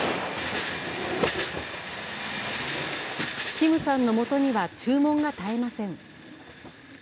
金さんのもとには注文が絶えません。